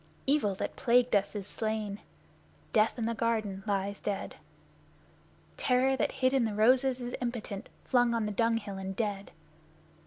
Evil that plagued us is slain, Death in the garden lies dead. Terror that hid in the roses is impotent flung on the dung hill and dead!